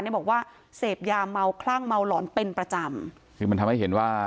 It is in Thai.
บอกว่าเสพยาเมาคลั่งเมาหลอนเป็นประจำคือมันทำให้เห็นว่า